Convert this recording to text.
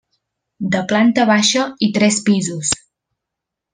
De planta baixa i tres pisos.